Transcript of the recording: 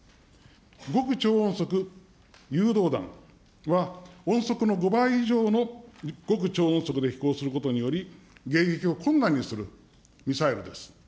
極超音速誘導弾は、音速の５倍以上の極超音速で飛行することにより、迎撃を困難にするミサイルです。